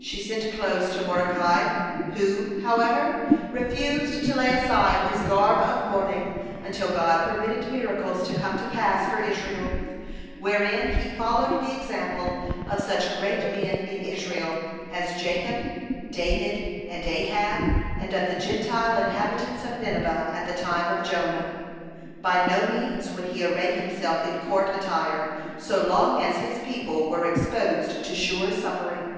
(127) She sent clothes to Mordecai, who, however, refused to lay aside his garb of mourning until God permitted miracles to come to pass for Israel, wherein he followed the example of such great men in Israel as Jacob, David, and Ahab, and of the Gentile inhabitants of Nineveh at the time of Jonah. By no means would he array himself in court attire so long as his people was exposed to sure suffering.